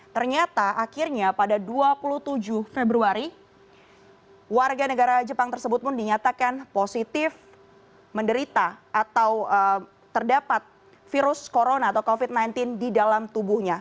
ternyata akhirnya pada dua puluh tujuh februari warga negara jepang tersebut pun dinyatakan positif menderita atau terdapat virus corona atau covid sembilan belas di dalam tubuhnya